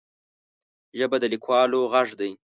ژبه د لیکوالو غږ دی